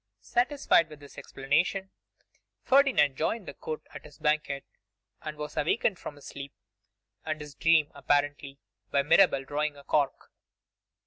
Satisfied with this explanation, Ferdinand joined the Count at his banquet, and was awakened from his sleep, and his dream apparently, by Mirabel drawing a cork.